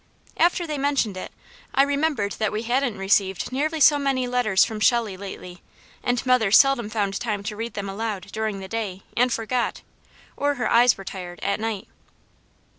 After they mentioned it, I remembered that we hadn't received nearly so many letters from Shelley lately, and mother seldom found time to read them aloud during the day and forgot, or her eyes were tired, at night.